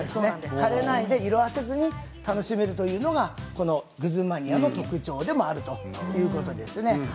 枯れないで色あせずに楽しめるのがグズマニアの特徴でもあるということなんです。